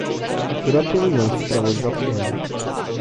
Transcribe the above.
Gratuluję sprawozdawczyni